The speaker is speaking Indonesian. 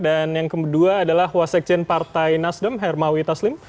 dan yang kedua adalah huasekjen partai nasdem hermawi taslim